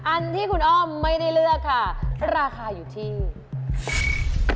อันที่คุณอ้อมไม่ได้เลือกค่ะราคาอยู่ที่